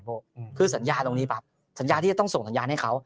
ก็คือสัญญาตรงนี้แบบที่จะต้องส่งสัญญาณให้เค้า